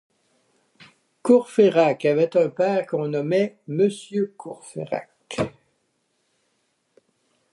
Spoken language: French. Courfeyrac avait un père qu’on nommait Monsieur de Courfeyrac.